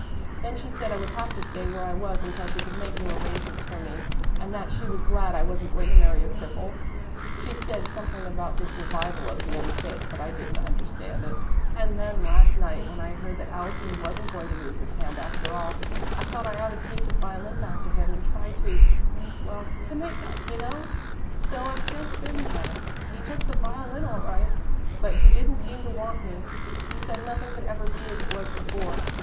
Then she said I would have to stay where I was until she could make new arrangements for me and that she was glad I wasn't going to marry a cripple. She said something about 'the survival of the unfit,' but I didn't understand it. "And then, last night, when I heard that Allison wasn't going to lose his hand after all, I thought I ought to take his violin back to him and try to well, to make up, you know. So I've just been there. He took the violin all right, but he didn't seem to want me. He said nothing could ever be as it was before.